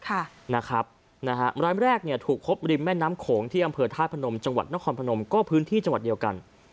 อันดับแรกเนี่ยถูกครบริมแม่น้ำโขงที่อละเฟิร์ตทายพนมจนครพนมก็พื้นที่จเดียวกัน